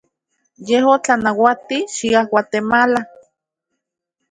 Ye otlanauati xia Huamantla.